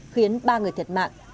khiến ba người thiệt mạng